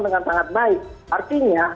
dengan sangat baik artinya